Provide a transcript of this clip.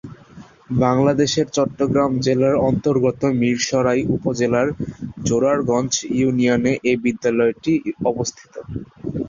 বাংলাদেশের চট্টগ্রাম জেলার অন্তর্গত মীরসরাই উপজেলার জোরারগঞ্জ ইউনিয়নে এ বিদ্যালয়টি অবস্থিত।